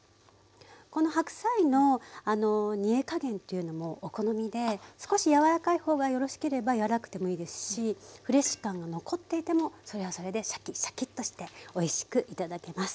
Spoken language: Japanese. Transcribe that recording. この白菜の煮え加減というのもお好みで少し柔らかい方がよろしければ柔らかくてもいいですしフレッシュ感が残っていてもそれはそれでシャキシャキッとしておいしく頂けます。